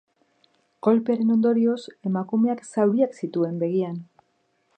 Kolpearen ondorioz, emakumeak zauriak zituen begian.